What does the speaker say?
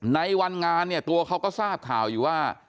ในวันงานเนี่ยตัวเขาก็ทราบข่าวอยู่ว่า